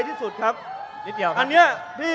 คุณจิลายุเขาบอกว่ามันควรทำงานร่วมกัน